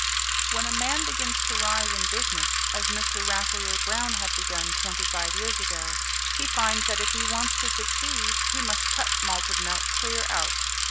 When a man begins to rise in business, as Mr. Rasselyer Brown had begun twenty five years ago, he finds that if he wants to succeed he must cut malted milk clear out.